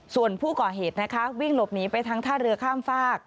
ส่วนผู้ก่อเหตุนะคะวิ่งหลบหนีไปทางท่าเรือข้ามฝาก